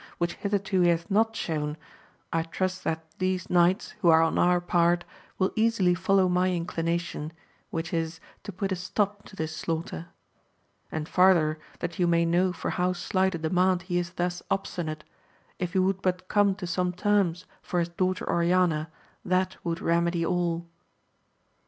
which hitherto he hath not shown, I trust that these knights, who are on our part, ^vill easily follow my inclination, which is to put a stop to this slaughter. And farther, that you may know for how slight a demand he is thus obstinate, if he would but come to some terms for his daughter Oriana, that would remedy all.